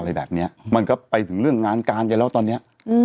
อะไรแบบนี้มันก็ไปถึงเรื่องงานการตอนนี้